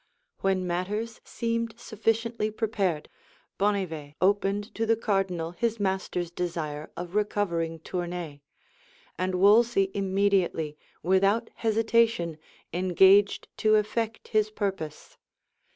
[*] When matters seemed sufficiently prepared, Bonnivet opened to the cardinal his master's desire of recovering Tournay; and Wolsey immediately, without hesitation, engaged to effect his purpose.